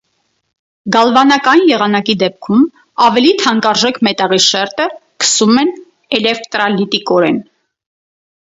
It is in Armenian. Գալվանական եղանակի դեպքում ավելի թանկարժեք մետաղի շերտը քսում են էլևկտրալիտիկորեն։